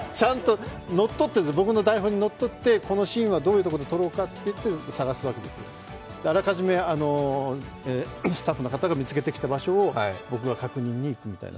僕の台本にのっとってこのシーンはどういうところで撮ろうかといって探すわけですよ、あらかじめスタッフの方が見つけてきた場所を僕が確認に行くみたいな。